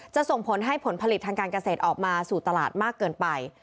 ส่งผลให้ผลผลิตทางการเกษตรออกมาสู่ตลาดมากเกินไป